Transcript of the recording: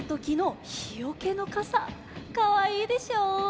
かわいいでしょ？